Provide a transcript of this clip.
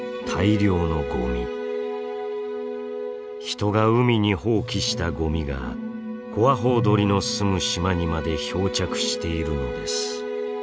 人が海に放棄したゴミがコアホウドリの住む島にまで漂着しているのです。